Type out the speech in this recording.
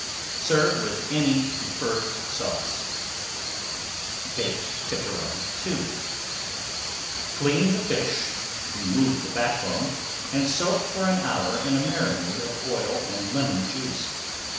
Serve with any preferred sauce. [Page 243] BAKED PICKEREL II Clean the fish, remove the backbone, and soak for an hour in a marinade of oil and lemon juice.